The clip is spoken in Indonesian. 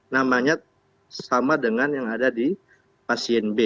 namanya sama dengan yang ada di pasien b